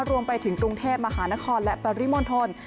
รวมไปถึงกรุงเทพมหานครและปริมณฑล